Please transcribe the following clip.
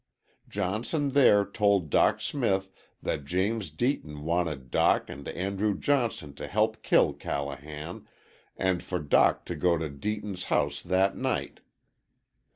Johnson there told Dock Smith that James Deaton wanted Dock and Andrew Johnson to help kill Callahan, and for Dock to go to Deaton's house that night.